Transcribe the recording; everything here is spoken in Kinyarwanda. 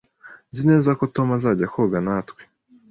Nzi neza ko Tom azajya koga natwe